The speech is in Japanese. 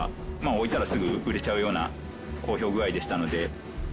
置いたらすぐ売れちゃうような好評具合でしたので。